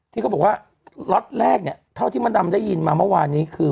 ที่เขาบอกว่าล็อตแรกเนี่ยเท่าที่มดดำได้ยินมาเมื่อวานนี้คือ